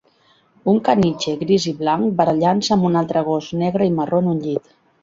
Un caniche gris i blanc barallant-se amb un altre gos negre i marró en un llit